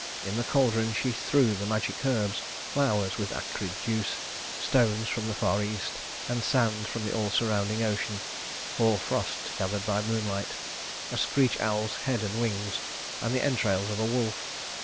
In the caldron she threw the magic herbs, flowers with acrid juice, stones from the far east and sand from the all surrounding ocean, hoar frost gathered by moonlight, a screech owl's head and wings, and the entrails of a wolf.